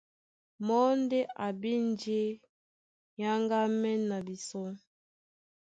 Mɔ́ ndé a bí njé é áŋgámɛ́n na bisɔ́.